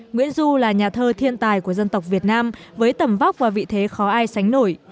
nguyễn du là nhà thơ thiên tài của dân tộc việt nam với tầm vóc và vị thế khó ai sánh nổi